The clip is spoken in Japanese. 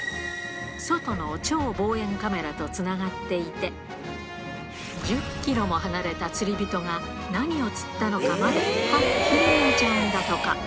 外の超望遠カメラとつながっていて、１０キロも離れた釣り人が、何を釣ったのかまではっきり見えちゃうんだとか。